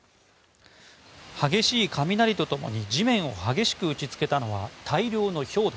激しい雷と共に地面を激しく打ち付けたのは大量のひょう。